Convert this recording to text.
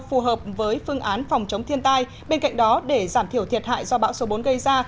phù hợp với phương án phòng chống thiên tai bên cạnh đó để giảm thiểu thiệt hại do bão số bốn gây ra